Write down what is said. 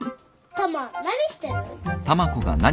タマ何してる？